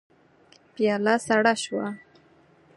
پياله سړه شوه.